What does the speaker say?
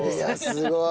すごい。